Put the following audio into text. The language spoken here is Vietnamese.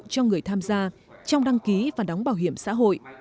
cho người tham gia trong đăng ký và đóng bảo hiểm xã hội